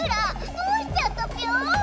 どうしちゃったピョン？」。